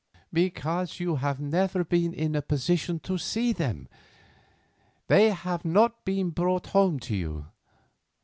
"Because you have never been in a position to see them; they have not been brought home to you.